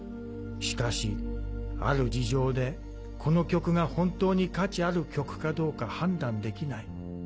しかしある事情でこの曲が本当に価値ある曲かどうか判断出来ない。